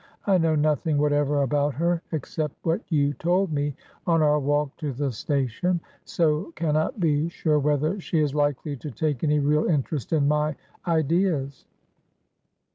I know nothing whatever about her, except what you told me on our walk to the station, so cannot be sure whether she is likely to take any real interest in my ideas.